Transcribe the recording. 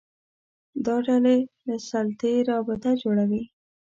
دا ډلې له سلطې رابطه جوړوي